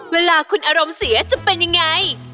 เวลาคุณอารมณ์เสียจะเป็นยังไง